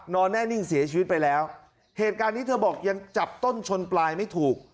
แน่นิ่งเสียชีวิตไปแล้วเหตุการณ์นี้เธอบอกยังจับต้นชนปลายไม่ถูก